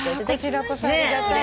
こちらこそありがたい。